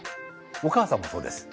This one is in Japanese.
お母さんもそうです。